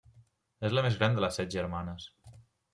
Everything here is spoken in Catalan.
És la més gran de les Set Germanes.